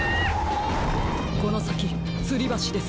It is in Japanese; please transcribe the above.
このさきつりばしです。